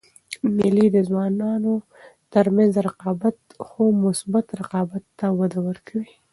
مېلې د ځوانانو تر منځ رقابت؛ خو مثبت رقابت ته وده ورکوي.